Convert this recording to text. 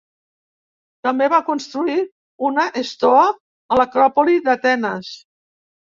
També va construir una estoa a l'acròpoli d'Atenes.